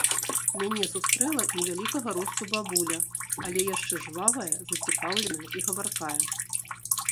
Мяне сустрэла невялікага росту бабуля, але яшчэ жвавая, зацікаўленая і гаваркая.